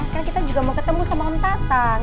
kan kita juga mau ketemu sama om tatang